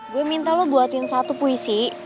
gue minta lo buatin satu puisi